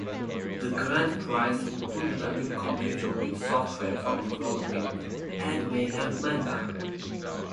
The grand prize included a new computer with software for developing anime and manga.